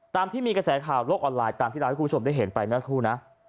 ตามที่มีกระแสข่าวโลกออนไลน์ตามที่ราวที่คุณผู้ชมได้เห็นไปหน้าที่๒นะ